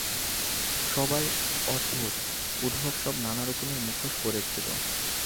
সবাই অদ্ভুত, উদ্ভট সব নানা রকমের মুখোশ পরেছিল।